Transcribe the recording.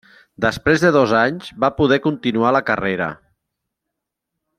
Després de dos anys va poder continuar la carrera.